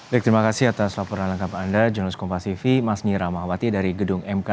baik terima kasih atas laporan lengkap anda jonas kompasifi mas nira mahwati dari gedung mk